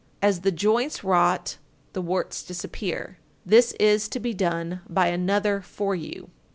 As the joints rot, the warts disappear. This is to be done by another for you.